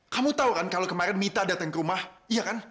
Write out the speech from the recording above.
kamu tau kan kalau kemarin mita datang ke rumah iya kan